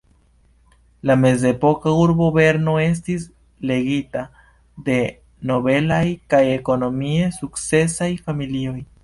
La mezepoka urbo Berno estis regita de nobelaj kaj ekonomie sukcesaj familioj.